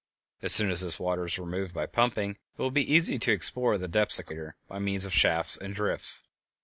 As soon as this water is removed by pumping it will be easy to explore the depths of the crater by means of shafts and drifts.